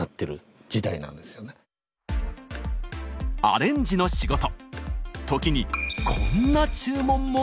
アレンジの仕事。